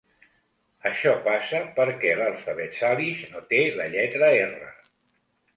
Això passa perquè l'alfabet salish no té la lletra r.